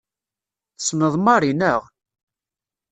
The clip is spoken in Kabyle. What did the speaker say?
Tessneḍ Mary, naɣ?